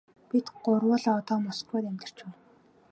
Бид гурвуулаа одоо Москвад амьдарч байна.